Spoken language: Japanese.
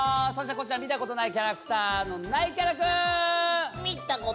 そしてこちら見たことないキャラクターのないキャラ君！